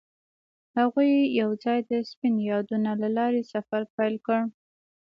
هغوی یوځای د سپین یادونه له لارې سفر پیل کړ.